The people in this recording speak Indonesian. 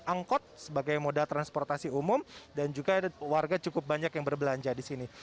angkot sebagai moda transportasi umum dan juga ada warga cukup banyak yang berbelanja di sini